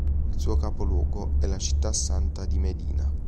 Il suo capoluogo è la città santa di Medina.